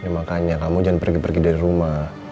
makanya kamu jangan pergi pergi dari rumah